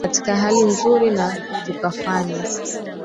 katika hali nzuri na tukafanyaa